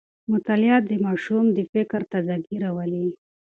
مطالعه د ماشوم د فکر تازه ګي راولي.